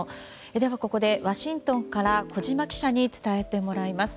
では、ここでワシントンから小島記者に伝えてもらいます。